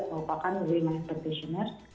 merupakan wayman and petitioners